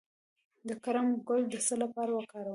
د کرم ګل د څه لپاره وکاروم؟